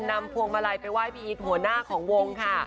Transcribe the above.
พวงมาลัยไปไห้พี่อีทหัวหน้าของวงค่ะ